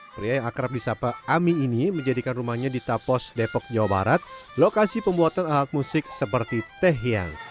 pria yang akrab di sapa ami ini menjadikan rumahnya di tapos depok jawa barat lokasi pembuatan alat musik seperti teh hiang